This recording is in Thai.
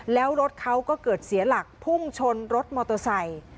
แล้วรถเขาก็เกิดเสียหลักพุ่งชนรถมอเตอร์ไซค์